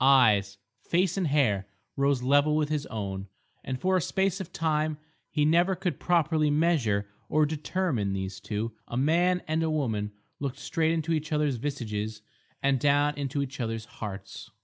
Eyes, face and hair rose level with his own, and for a space of time he never could properly measure, or determine, these two, a man and a woman, looked straight into each other's visages and down into each other's hearts.